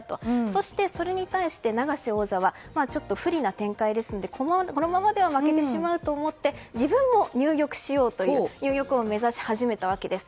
そしてそれに対して永瀬王座はちょっと不利な展開ですのでこのままでは負けてしまうと思って自分も入玉しようという入玉を目指し始めたわけです。